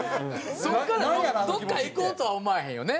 そこからどっか行こうとは思わへんよね。